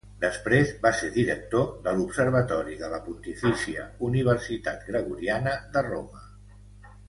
Després va ser director de l'Observatori de la Pontifícia Universitat Gregoriana de Roma.